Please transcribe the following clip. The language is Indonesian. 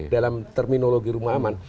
dalam terminologi rumah aman